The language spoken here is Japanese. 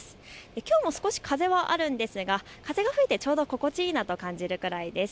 きょうも少し風はあるんですが風が吹いてちょうど心地いいなと感じるくらいです。